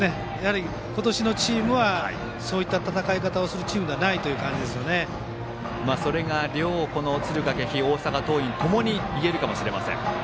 今年のチームはそういった戦い方をするそれが敦賀気比、大阪桐蔭ともにいえるかもしれません。